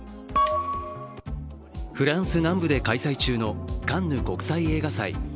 フランス南部で開催中のカンヌ国際映画祭。